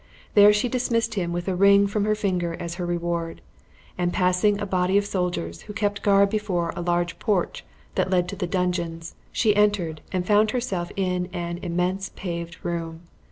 There she dismissed him with a ring from her finger as his reward; and passing a body of soldiers, who kept guard before a large porch that led to the dungeons, she entered, and found herself in an immense paved room.